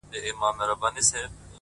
خاونده زور لرم خواږه خو د يارۍ نه غواړم;